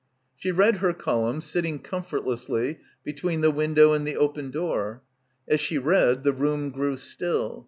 She read her column, sitting comfortlessly be tween the window and the open door. As she read the room grew still.